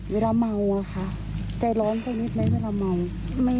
เวลาเมาค่ะใกล้ร้อนเท่านี้ไหมเวลาเมา